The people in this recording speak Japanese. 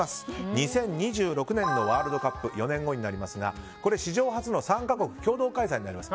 ２０２６年のワールドカップ４年後になりますがこれ史上初の３か国共同開催となります。